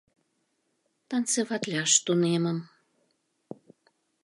Танцеватлаш тунемым.